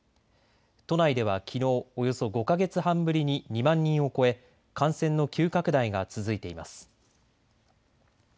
都内ではきのうおよそ５か月半ぶりに２万人を超え感染の急拡大が続いています。